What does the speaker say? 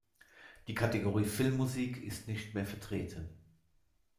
Die Kategorie Filmmusik ist nicht mehr vertreten.